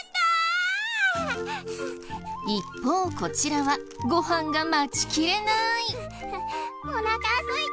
一方こちらはご飯が待ちきれない！